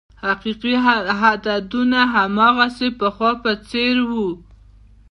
حقیقي عددونه هماغسې د پخوا په څېر وې.